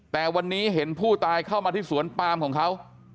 แต่วันนี้เห็นผู้ตายเข้ามาที่สวนปามของเขา